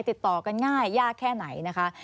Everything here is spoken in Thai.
ติดต่อกันง่ายยากแค่ไหนนะคะ